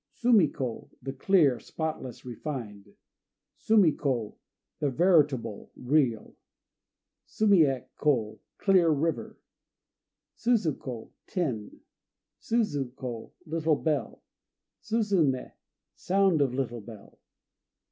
Sumi ko "The Clear," spotless, refined. Sumi ko "The Veritable," real. Sumië ko "Clear River." Suzu ko "Tin." Suzu ko "Little Bell." Suzunë "Sound of Little Bell."